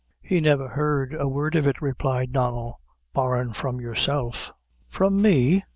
"He never heard a word of it," replied Donnel, "barrin' from yourself." "From me!"